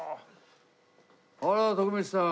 あら徳光さん。